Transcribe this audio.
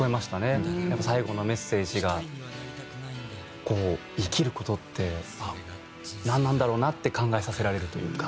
最後のメッセージがこう生きる事ってなんなんだろうなって考えさせられるというか。